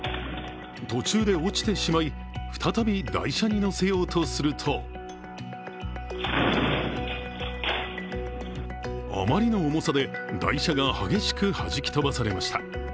途中で落ちてしまい再び台車に乗せようとするとあまりの重さで、台車が激しく弾き飛ばされました。